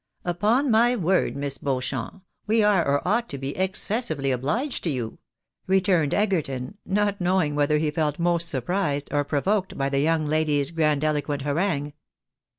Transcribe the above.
" Upon my word. Miss Beauchamp, we are, or ought to be, excessively obliged to you," returned Egerton, not knowing whether he felt most surprised or provoked by the young lady's grandiloquent harangue.